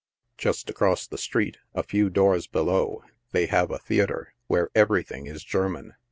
Just across the street, a few doors below, they have a theatre, where every thing is German.